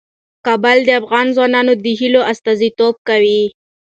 کابل د افغان ځوانانو د هیلو استازیتوب کوي.